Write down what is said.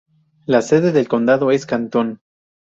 La sede del condado es Canton.